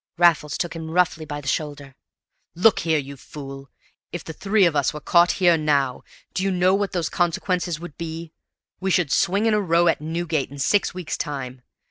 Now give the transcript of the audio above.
Raffles took him roughly by the shoulder. "Look here, you fool! If the three of us were caught here now, do you know what those consequences would be? We should swing in a row at Newgate in six weeks' time!